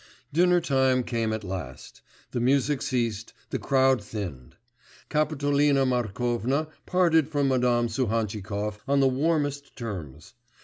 Dinner time came at last. The music ceased, the crowd thinned. Kapitolina Markovna parted from Madame Suhantchikov on the warmest terms.